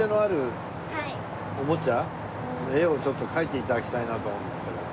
絵をちょっと描いて頂きたいなと思うんですけど。